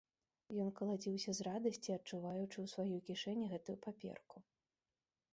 Ён калаціўся з радасці, адчуваючы ў сваёй кішэні гэтую паперку.